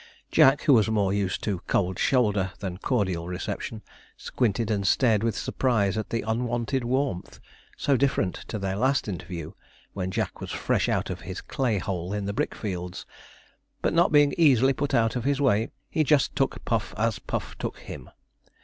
Jack, who was more used to 'cold shoulder' than cordial reception, squinted and stared with surprise at the unwonted warmth, so different to their last interview, when Jack was fresh out of his clay hole in the Brick Fields; but not being easily put out of his way, he just took Puff as Puff took him.